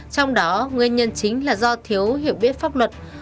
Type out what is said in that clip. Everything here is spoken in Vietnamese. trong đó nguyên nhân chính là do thiếu hiểu biết pháp luật